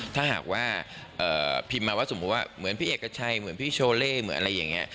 ถ้าหากว่าพิมพ์มาว่าสมมุติว่าเหมือนพี่เอกชัยเหมือนพี่โชเล่เหมือนอะไรอย่างนี้